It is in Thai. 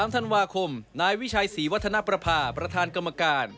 ๓ธันวาคมนายวิชัยศรีวัฒนประพาประธานกรรมการ